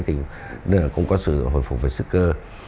nên là cũng có sự hồi phục về sức cơ